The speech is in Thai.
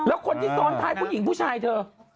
แล้วคนที่ซ้อนท้ายผู้หญิงผู้ชายเธอ